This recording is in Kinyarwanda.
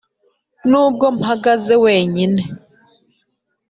nubwo mpagaze wenyine.